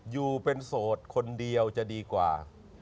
อยู่เป็นโสดคนเดียวจะดีกว่า